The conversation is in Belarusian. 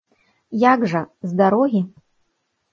Як жа, з дарогі?